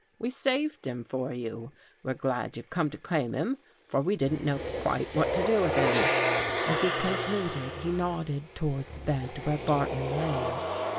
We saved him for you. We're glad you've come to claim him, for we didn't know quite what to do with him." As he concluded he nodded toward the bed where Barton lay.